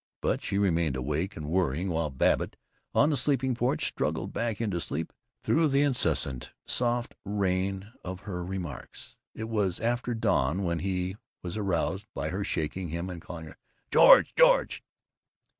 But she remained awake and worrying while Babbitt, on the sleeping porch, struggled back into sleep through the incessant soft rain of her remarks. It was after dawn when he was aroused by her shaking him and calling "George! George!"